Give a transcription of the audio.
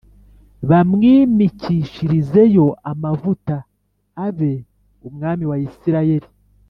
bamwimikishirizeyo amavuta abe umwami wa Isirayeli